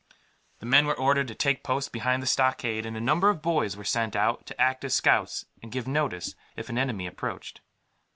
The men were ordered to take post behind the stockade, and a number of boys were sent out, to act as scouts and give notice if an enemy approached.